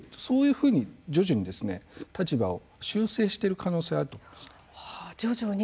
そういうふうに徐々に立場を修正している可能性はあると思います。